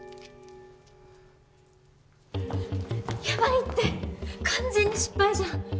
やばいって完全に失敗じゃん！